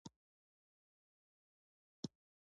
د رنګ ساتنه یې ارزښت لري.